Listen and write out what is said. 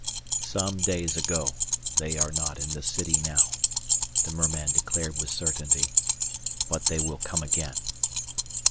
"Some days ago. They are not in the city now," the merman declared with certainty. "But they will come again."